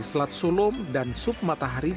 slat sulom dan sup matahari